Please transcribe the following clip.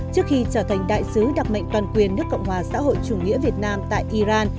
trước khi trở thành đại sứ đặc mệnh toàn quyền nước cộng hòa xã hội chủ nghĩa việt nam tại iran